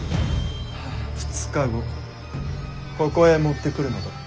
２日後ここへ持ってくるのだ。